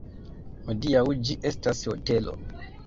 Hodiaŭ ĝi estas hotelo.